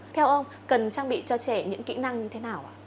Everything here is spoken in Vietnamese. theo ông cần trang bị cho trẻ những kỹ năng như thế nào ạ